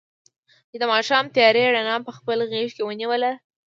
چې د ماښام تیارې رڼا په خپل غېږ کې ونیوله.